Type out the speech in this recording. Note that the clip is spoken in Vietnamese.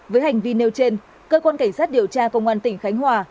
với hành vi nêu trên cơ quan cảnh sát điều tra công an tỉnh khánh hòa